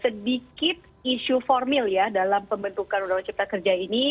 sedikit isu formil ya dalam pembentukan undang undang cipta kerja ini